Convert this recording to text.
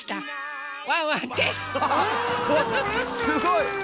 すごい！